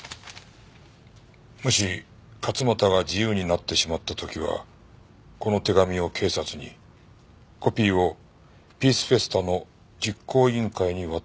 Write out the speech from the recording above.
「もし勝又が自由になってしまった時はこの手紙を警察にコピーをピースフェスタの実行委員会に渡して下さい」